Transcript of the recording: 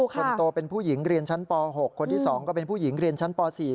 คนโตเป็นผู้หญิงเรียนชั้นป๖คนที่๒ก็เป็นผู้หญิงเรียนชั้นป๔